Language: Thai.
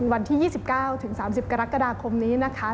วันที่๒๙๓๐กรกฎาคมนี้นะคะ